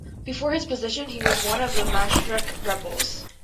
Before his position, he was one of the Maastricht Rebels.